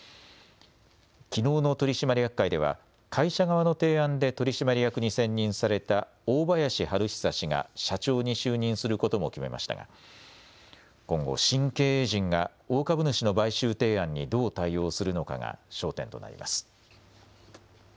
きのうの取締役会では、会社側の提案で取締役に選任された大林東壽氏が社長に就任することも決めましたが、今後、新経営陣が大株主の買収提案にどう対応するのかが焦点となります。